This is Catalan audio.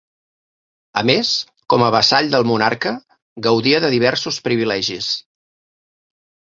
A més com a vassall del monarca gaudia de diversos privilegis.